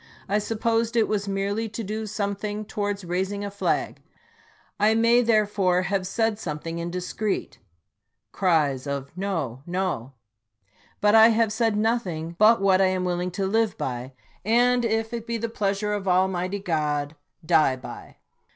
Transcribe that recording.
I supposed it was merely to do something towards raising a flag — I may, therefore, have said something indiscreet. [Cries of " No, No." ] But I have said noth ing but what I am willing to live by, and, if it be the pleasure of Almighty God, die by.